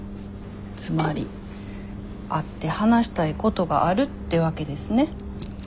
つまり会って話したいことがあるってわけですね。